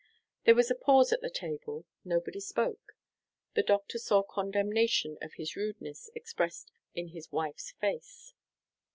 There was a pause at the table; nobody spoke. The doctor saw condemnation of his rudeness expressed in his wife's face.